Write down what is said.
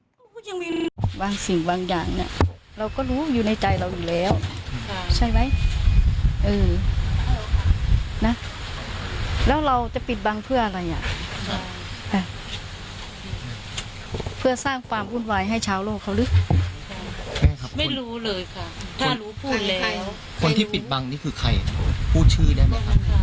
ถ้ารู้พูดแล้วคนที่ปิดบังนี่คือใครพูดชื่อได้ไหมครับ